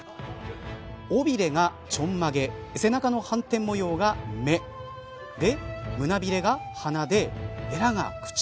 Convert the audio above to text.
尾びれがちょんまげ背中の斑点模様が目胸ひれが鼻でエラが口。